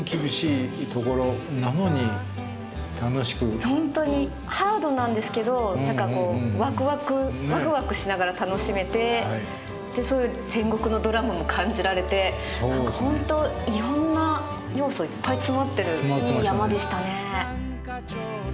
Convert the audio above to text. いやいやもうねハードなんですけど何かこうワクワクワクワクしながら楽しめて戦国のドラマも感じられて何か本当いろんな要素いっぱい詰まってるいい山でしたね。